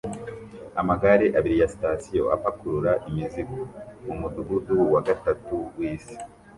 Amagare abiri ya sitasiyo apakurura imizigo mumudugudu wa gatatu wisi